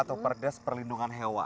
atau perdes perlindungan hewan